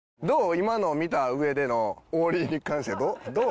今の見た上でのオーリーに関してどう？